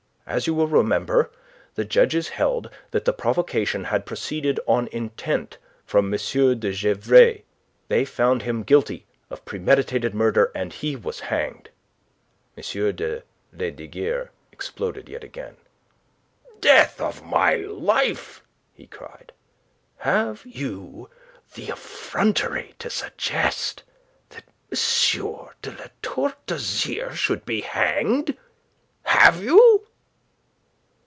As you will remember, the judges held that the provocation had proceeded of intent from M. de Gesvres; they found him guilty of premeditated murder, and he was hanged." M. de Lesdiguieres exploded yet again. "Death of my life!" he cried. "Have you the effrontery to suggest that M. de La Tour d'Azyr should be hanged? Have you?"